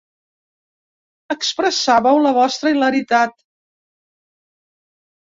Expressàveu la vostra hilaritat.